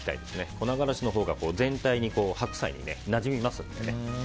粉辛子のほうが全体に白菜に馴染みますのでね。